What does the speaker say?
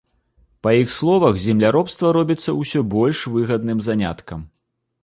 Па іх словах, земляробства робіцца ўсё больш выгадным заняткам.